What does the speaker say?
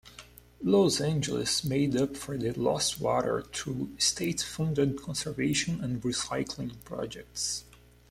Los Angeles made up for the lost water through state-funded conservation and recycling projects.